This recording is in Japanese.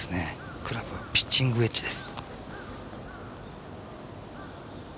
クラブはピッチングウェッジです。